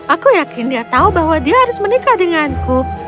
aku yakin dia tahu bahwa dia harus menikah denganku